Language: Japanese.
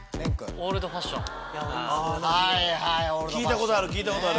聞いたことある。